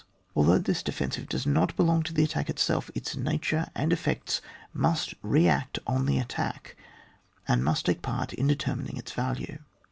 Although this defensive does not belong to the attack itself, its natare and effects must re act on the attack, and must take part in determining its value.